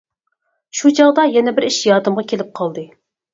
شۇ چاغدا يەنە بىر ئىش يادىمغا كېلىپ قالدى.